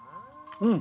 うん。